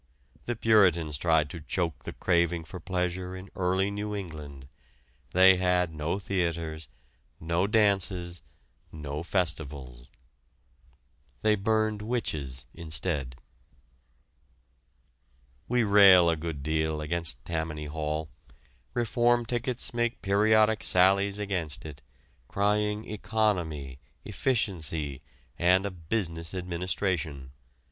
The Puritans tried to choke the craving for pleasure in early New England. They had no theaters, no dances, no festivals. They burned witches instead. We rail a good deal against Tammany Hall. Reform tickets make periodic sallies against it, crying economy, efficiency, and a business administration.